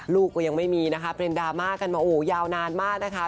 ลูกก็ยังไม่มีนะคะเป็นดราม่ากันมาโอ้โหยาวนานมากนะคะ